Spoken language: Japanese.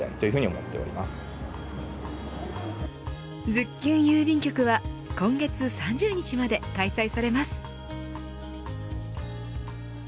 ズッキュン郵便局は今月３０日まで開催されます。